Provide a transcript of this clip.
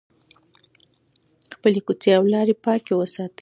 خپلې کوڅې او لارې پاکې وساتئ.